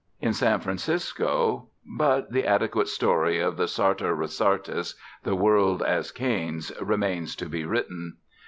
In San Francisco but the adequate story, the Sartor Resartus the World as Canes, remains to be written.